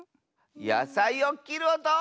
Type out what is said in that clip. やさいをきるおと！